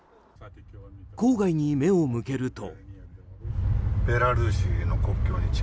郊外に目を向けると。